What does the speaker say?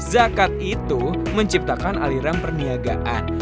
zakat itu menciptakan aliran perniagaan